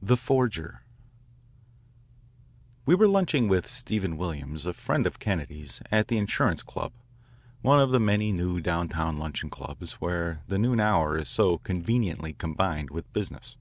VIII THE FORGER We were lunching with Stevenson Williams, a friend of Kennedy's, at the Insurance Club, one of the many new downtown luncheon clubs, where the noon hour is so conveniently combined with business.